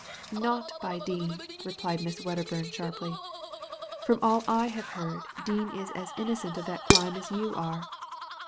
'»*• Not by Dean/' replied Miss Wcdderbum, sharply. " From all I have heard. Dean is as innocent of that crime as you are."